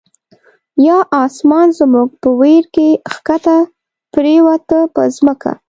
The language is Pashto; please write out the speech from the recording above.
یا آسمان زموږ په ویر کی، ښکته پر یووته په ځمکه